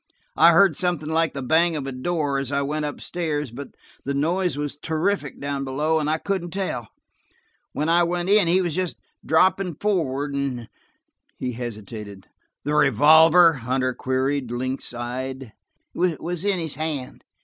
I heard something like the bang of a door as I went upstairs, but the noise was terrific down below, and I couldn't tell. When I went in, he was just dropping forward, and–" he hesitated. "The revolver?" Hunter queried, lynx eyed. "Was in his hand.